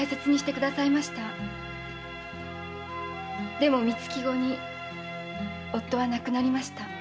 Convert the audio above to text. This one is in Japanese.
でも三月後に夫は亡くなりました。